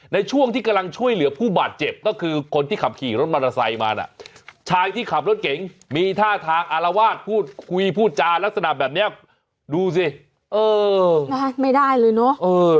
ในช่วงที่กำลังช่วยเหลือผู้บาดเจ็บก็คือคนที่ขับขี่รถมอเตอร์ไซค์มาน่ะชายที่ขับรถเก๋งมีท่าทางอารวาสพูดคุยพูดจารักษณะแบบนี้ดูสิเออนะฮะไม่ได้เลยเนอะ